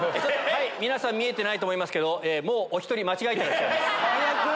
皆さん見えてないと思いますけどお１人間違えてらっしゃいます。